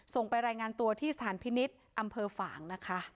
ส่งไปรายงานตัวที่ศาลพินิตรอำเภอฝังนะคะ